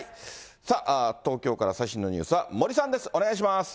さあ、東京から最新のニュースは森さんです。